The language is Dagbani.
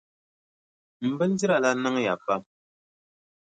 M bindira la niŋya pam.